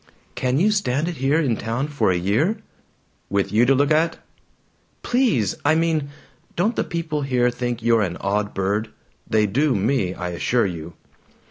"Can you stand it here in town for a year?" "With you to look at?" "Please! I mean: Don't the people here think you're an odd bird? (They do me, I assure you!)"